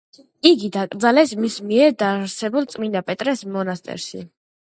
იგი დაკრძალეს მის მიერვე დაარსებულ წმინდა პეტრეს მონასტერში.